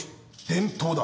伝統だ。